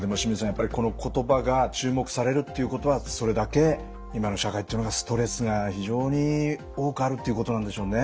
やっぱりこの言葉が注目されるっていうことはそれだけ今の社会っていうのがストレスが非常に多くあるっていうことなんでしょうね。